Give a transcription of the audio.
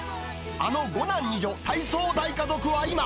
あの５男２女体操家族は今。